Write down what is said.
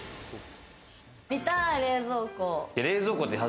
見たい、冷蔵庫。